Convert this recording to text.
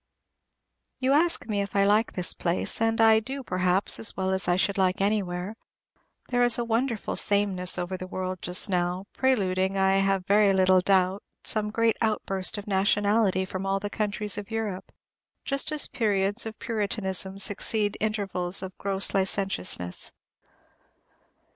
You ask me if I like this place. I do, perhaps, as well as I should like anywhere. There is a wonderful sameness over the world just now, preluding, I have very little doubt, some great outburst of nationality from all the countries of Europe, just as periods of Puritanism succeed intervals of gross licentiousness.